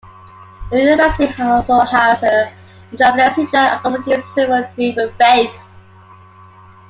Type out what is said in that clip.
The university also has a Chaplaincy that accommodates several different faiths.